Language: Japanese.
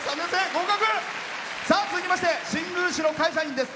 続きまして新宮市の会社員です。